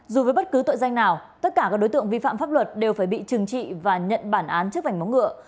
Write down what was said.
dù với bất cứ tội danh nào tất cả các đối tượng vi phạm pháp luật đều phải bị trừng trị và nhận bản án trước vảnh móng ngựa